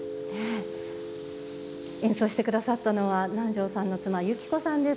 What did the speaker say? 演奏してくださったのは南條さんの妻、由希子さんです。